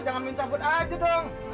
jangan minta cabut aja dong